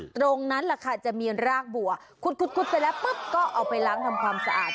ตรงนั้นแหละค่ะจะมีรากบัวขุดเสร็จแล้วปุ๊บก็เอาไปล้างทำความสะอาด